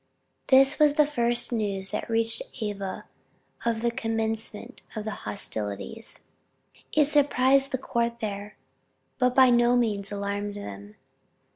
This was the first news that reached Ava of the commencement of hostilities. It surprised the court there, but by no means alarmed them.